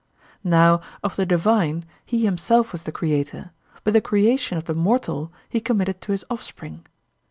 Now of the divine, he himself was the creator, but the creation of the mortal he committed to his offspring.